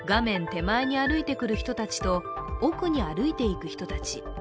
手前に歩いてくる人たちと、奥に歩いて行く人たち。